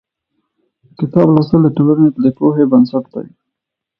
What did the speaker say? کتاب لوستل د ټولنې د پوهې بنسټ دی.